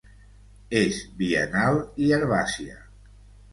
És biennal i herbàcia.